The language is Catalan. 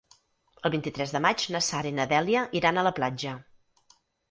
El vint-i-tres de maig na Sara i na Dèlia iran a la platja.